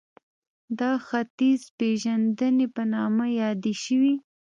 دا ختیځپېژندنې په نامه یادې شوې